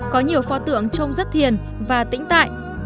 có nhiều pho tượng trông rất thiền và tĩnh tại